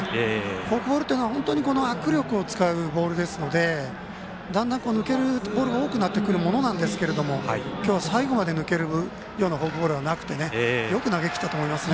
フォークボールっていうのは握力を使うボールですのでだんだん抜けるボールが多くなってくるんですが今日最後まで抜けるようなボールがなくてよく投げきったと思いますね。